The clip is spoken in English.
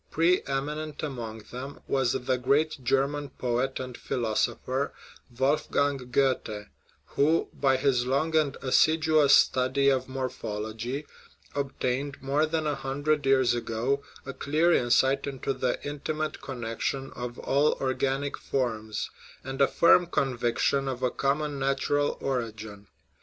Pre eminent among them was the great German poet and philosopher, Wolfgang Goethe, who, by his long and assiduous study of morphology, obtained, more than a hundred years ago, a clear in sight into the intimate connection of all organic forms, and a firm conviction of a common natural origin.